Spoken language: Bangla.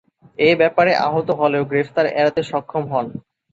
এ ব্যাপারে আহত হলেও গ্রেপ্তার এড়াতে সক্ষম হন।